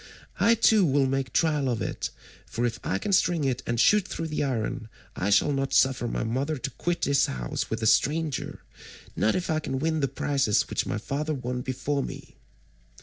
I too will make trial of it, for if I can string it and shoot through the iron, I shall not suffer my mother to quit this house with a stranger, not if I can win the prizes which my father won before me."